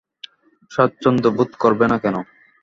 স্বাচ্ছন্দ্যবোধ করবে না কেন?